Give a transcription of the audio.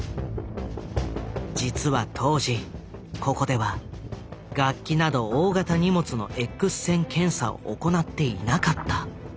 実は当時ここでは楽器など大型荷物のＸ線検査を行っていなかった。